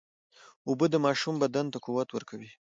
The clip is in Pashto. اوبه د ماشوم بدن ته قوت ورکوي.